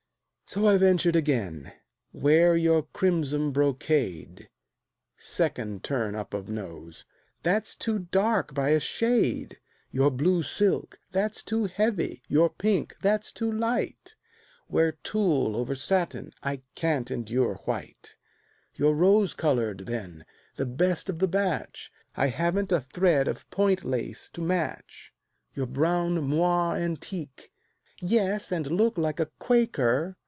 So I ventured again: "Wear your crimson brocade;" (Second turn up of nose) "That's too dark by a shade." "Your blue silk" "That's too heavy." "Your pink" "That's too light." "Wear tulle over satin" "I can't endure white." "Your rose colored, then, the best of the batch" "I haven't a thread of point lace to match." "Your brown moire antique" "Yes, and look like a Quaker."